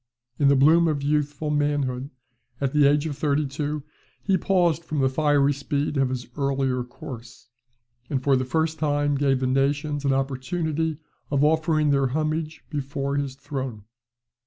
In the bloom of youthful manhood, at the age of thirty two, he paused from the fiery speed of his earlier course; and for the first time gave the nations an opportunity of offering their homage before his throne.